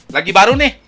lagi baru nih